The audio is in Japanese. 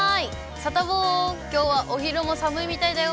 サタボー、きょうはお昼も寒いみたいだよ。